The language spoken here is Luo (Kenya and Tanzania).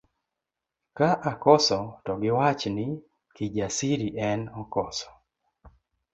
Ka akoso to giwach ni Kijasiri en okoso.